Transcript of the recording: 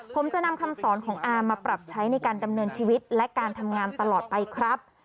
ผมจะนำคำสอนของอามาปรับใช้ในการดำเนินชีวิตและการทำงานตลอดไปครับ